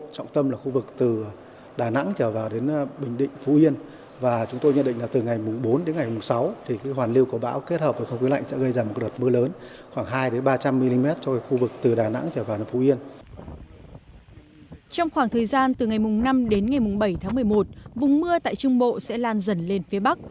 trong khoảng thời gian từ ngày mùng năm đến ngày mùng bảy tháng một mươi một vùng mưa tại trung bộ sẽ lan dần lên phía bắc